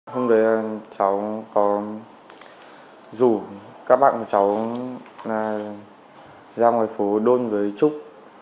chúng ta đã đi ra ngoài phố đôn với trúc